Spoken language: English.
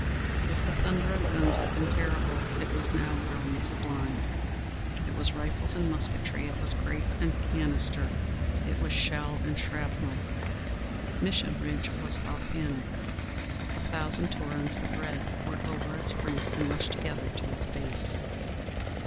If the thunder of guns had been terrible, it was now growing sublime. It was rifles and musketry; it was grape and canister; it was shell and shrapnel. Mission Ridge was volcanic; a thousand torrents of red poured over its brink and rushed together to its base.